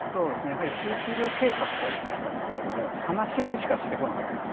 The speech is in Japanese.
地域医療計画といってきたんですが、話し合いしかしてこなかったんです。